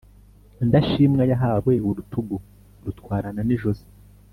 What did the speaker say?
Indashimwa yahawe urutugu irutwarana n’ijosi.